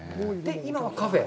今はカフェ？